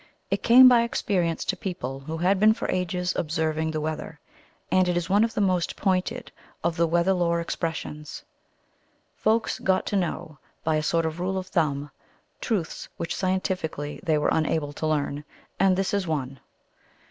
It came by experience to people who had been for ages observing the weather; and it is one of the most pointed of the "weather lore" expressions. Folks got to know, by a sort of rule of thumb, truths which scientifically they were unable to learn. And this is one.